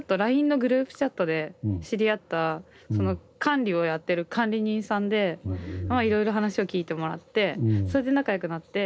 ＬＩＮＥのグループチャットで知り合ったその管理をやってる管理人さんでまあいろいろ話を聞いてもらってそれで仲良くなって。